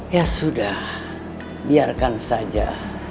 ya sudah biarkan saja